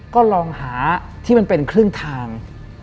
ก็ลองหาที่มันเป็นครึ่งทาง